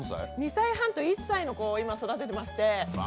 ２歳半と１歳の子を今、育ててまして。